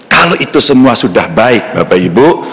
kalau itu semua sudah baik bapak ibu